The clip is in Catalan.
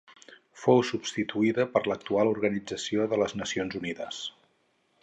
fou substituïda per l'actual Organització de les Nacions Unides